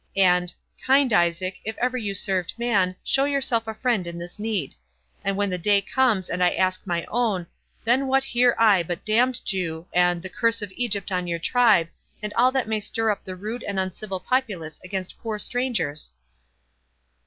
—and Kind Isaac, if ever you served man, show yourself a friend in this need! And when the day comes, and I ask my own, then what hear I but Damned Jew, and The curse of Egypt on your tribe, and all that may stir up the rude and uncivil populace against poor strangers!"